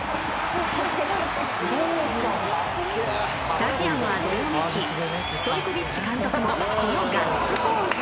［スタジアムはどよめきストイコビッチ監督もこのガッツポーズ］